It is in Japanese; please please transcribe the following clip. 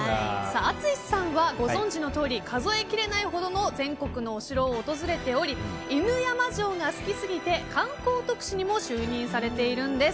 淳さんはご存じのとおり数えきれないほどの全国のお城を訪れており犬山城が好きすぎて観光特使にも就任されているんです。